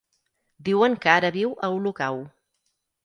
Diuen que ara viu a Olocau.